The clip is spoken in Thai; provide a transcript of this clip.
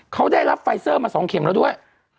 เขาได้รับไฟเซอร์มา๒เข็มแล้วด้วย